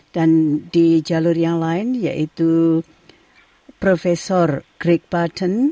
dan di jalur yang lain yaitu profesor greg barton